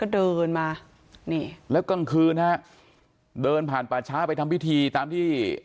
เดินผ่านป่าช้าไปทำพิธีตามที่